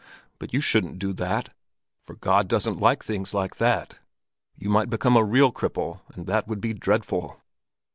But you shouldn't do that, for God doesn't like things like that. You might become a real cripple, and that would be dreadful."